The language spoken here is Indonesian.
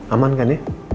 aman kan ya